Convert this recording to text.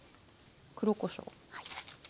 黒こしょう。